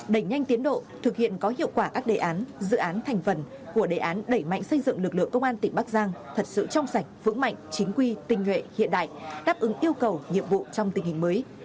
đẩy nhanh tiến độ thực hiện có hiệu quả các đề án dự án thành phần của đề án đẩy mạnh xây dựng lực lượng công an tỉnh bắc giang thật sự trong sạch vững mạnh chính quy tinh nhuệ hiện đại đáp ứng yêu cầu nhiệm vụ trong tình hình mới